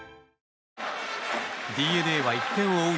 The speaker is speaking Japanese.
ＤｅＮＡは１点を追う